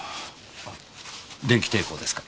電気抵抗ですか？